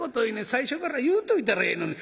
最初から言うといたらええのに」。